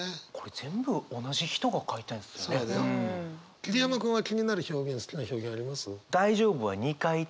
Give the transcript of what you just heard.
桐山君は気になる表現好きな表現あります？